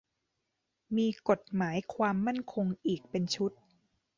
มีกฎหมายความมั่นคงอีกเป็นชุด